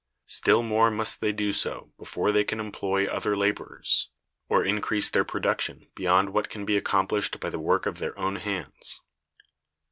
Still more must they do so before they can employ other laborers, or increase their production beyond what can be accomplished by the work of their own hands.